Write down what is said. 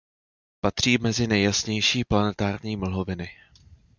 Patří mezi nejjasnější planetární mlhoviny.